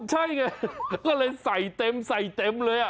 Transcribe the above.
ใช่ไงก็เลยใส่เต็มเลย